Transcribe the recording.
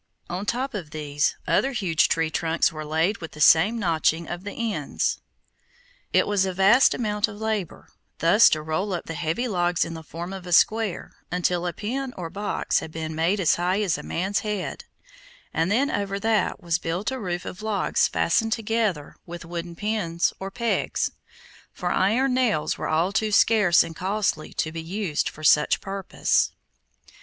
On top of these, other huge tree trunks were laid with the same notching of the ends. It was a vast amount of labor, thus to roll up the heavy logs in the form of a square until a pen or box had been made as high as a man's head, and then over that was built a roof of logs fastened together with wooden pins, or pegs, for iron nails were all too scarce and costly to be used for such purpose.